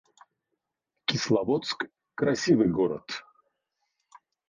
Кисловодск — красивый город